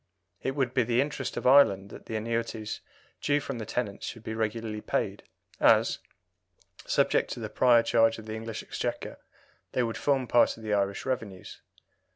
It would be the interest of Ireland that the annuities due from the tenants should be regularly paid, as, subject to the prior charge of the English Exchequer, they would form part of the Irish revenues.